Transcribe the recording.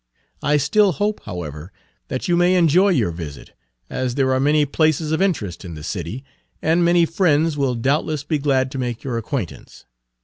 I still hope, however, that you may enjoy your visit, as there are many places of interest in the city, and many friends will doubtless be glad to make your acquaintance.